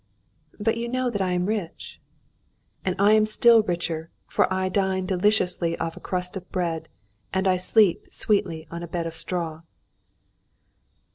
"But you know that I am rich." "And I am still richer, for I dine deliciously off a crust of bread, and I sleep sweetly on a bed of straw."